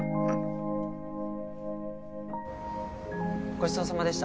ごちそうさまでした。